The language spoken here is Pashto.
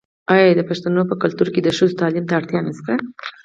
آیا د پښتنو په کلتور کې د ښځو تعلیم ته اړتیا نشته؟